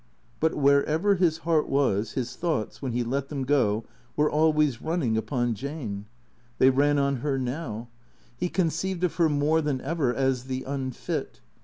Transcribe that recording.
But wherever his heart was, his thoughts, when he let them go, were always running upon Jane. They ran on her now. 18 T H E C E E A T 0 E S He conceived of her more than ever as the unfit.